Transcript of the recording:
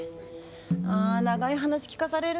あ長い話聞かされるんじゃ。